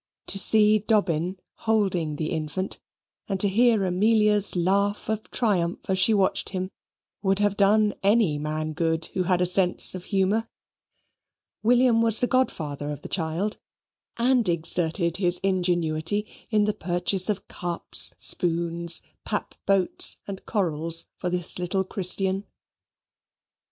To see Dobbin holding the infant, and to hear Amelia's laugh of triumph as she watched him, would have done any man good who had a sense of humour. William was the godfather of the child, and exerted his ingenuity in the purchase of cups, spoons, pap boats, and corals for this little Christian.